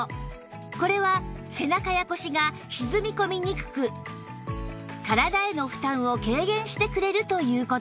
これは背中や腰が沈み込みにくく体への負担を軽減してくれるという事